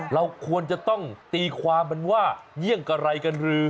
เราควรจะต้องตีความมันว่าเยี่ยงกับไรกันหรือ